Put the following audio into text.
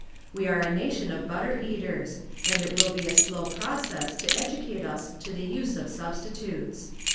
We are a nation of butter eaters, and it will be a slow process to educate us to the use of substitutes.